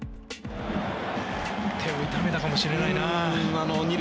手を痛めたかもしれないな。